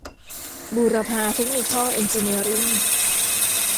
บูรพา เทคนิคอล เอ็นจิเนียริ่ง